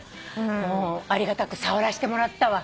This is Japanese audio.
ありがたく触らせてもらったわ。